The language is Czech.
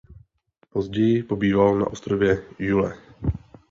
Později pobýval na ostrově Yule.